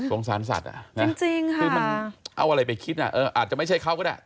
สงสารสัตว์อ่ะเอาอะไรไปคิดอ่ะอาจจะไม่ใช่เขาก็ได้